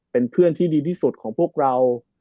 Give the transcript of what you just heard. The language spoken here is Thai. เป็นเพื่อนที่ดีที่สุดของพวกเรา